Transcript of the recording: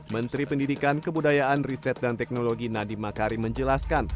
menteri pendidikan kebudayaan riset dan teknologi nandim makarim menjelaskan